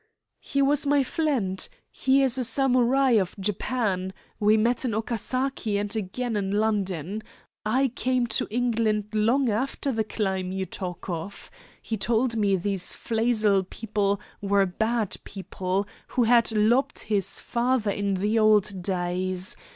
"He was my fliend. He is a Samurai of Japan. We met in Okasaki, and again in London. I came to England long after the clime you talk of. He told me these Flazel people were bad people, who had lobbed his father in the old days.